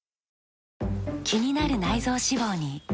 気になる内臓脂肪に。